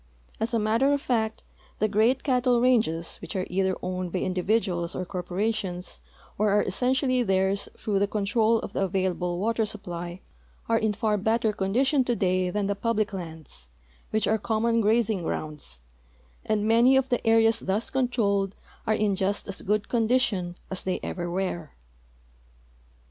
As a matter of fact, the great cattle ranges, which are either owned by individuals or corporations, or are essentially theirs through the control of the available water supply, are in far better condition today than the public lands, which are common grazing grounds, and man}' of the areas thus controlled are in just as good condi tion as they ever were.